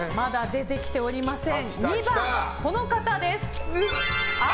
出てきておりません。